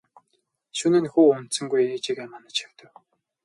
Шөнө нь хүү унтсангүй ээжийгээ манаж хэвтэв.